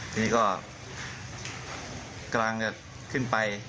ทีนี้ก็กำลังจะขึ้นไป